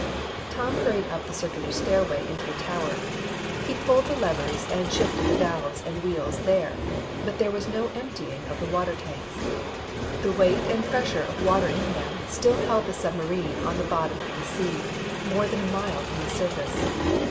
Tom hurried up the circular stairway into the tower. He pulled the levers and shifted the valves and wheels there. But there was no emptying of the water tanks. The weight and pressure of water in them still held the submarine on the bottom of the sea, more than a mile from the surface.